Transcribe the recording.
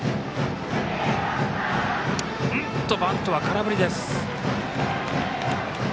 バントは空振りです。